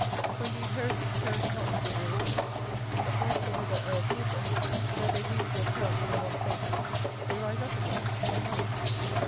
For, indeed, heresies perish not with their authors; but, like the river Arethusa, though they lose their currents in one place, they rise up again in another.